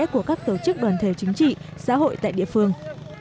của các tổ chức đoàn thể chính trị xã hội tại địa phương